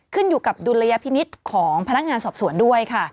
ขึ้นอยู่กับดุลยพินิษฐ์ของพนักงานสอบสวนด้วยค่ะ